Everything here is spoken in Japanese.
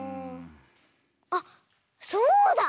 あっそうだ！